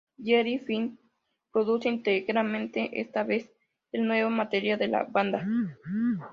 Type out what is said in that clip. Jerry Finn produce íntegramente, esta vez, el nuevo material de la banda.